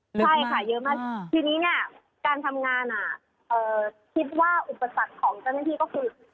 ใช่ค่ะเยอะมากทีนี้เนี่ยการทำงานคิดว่าอุปสรรคของเจ้าหน้าที่ก็คือ